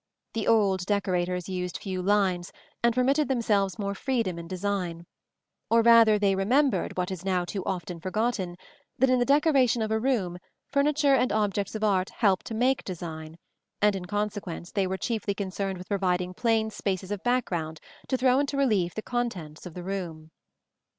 The old decorators used few lines, and permitted themselves more freedom in design; or rather they remembered, what is now too often forgotten, that in the decoration of a room furniture and objects of art help to make design, and in consequence they were chiefly concerned with providing plain spaces of background to throw into relief the contents of the room.